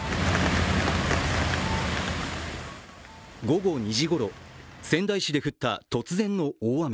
午後２時ごろ、仙台市で降った突然の大雨。